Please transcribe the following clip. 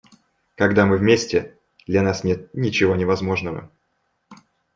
Когда мы вместе, для нас нет ничего невозможного.